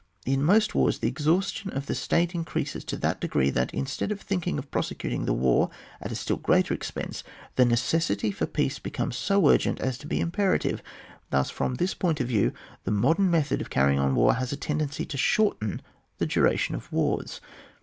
In most wars the exhaustion of the state increases to that degree that, instead of thiTiTriTig of prosecuting the war at a still greater expense, the necessity for peace becomes so urgent as to be imperative. Thus from this point of view the mo dem method of carrying on war has a tendency to shorten the duration of wars.